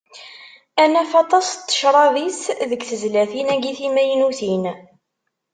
Ad naf aṭas n tecraḍ-is deg tezlatin-agi timaynutin.